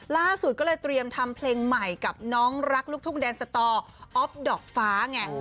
ล่าสุดก็เลยเตรียมทำเพลงใหม่กับน้องรักลูกทุ่งแดนสตออฟดอกฟ้าไง